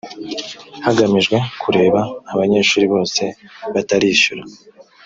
hagamijwe kureba abanyeshuri bose batarishyura